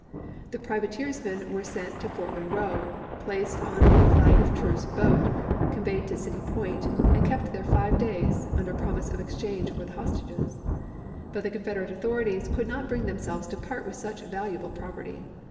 The privateersmen were sent to Fort PRISONERS OF WAR 451 Monroe, placed on a flag of truce boat, conveyed to chap. xvi. City Point, and kept there five days, under promise of exchange for the hostages. But the Confederate authorities could not bring themselves to part with such valuable property.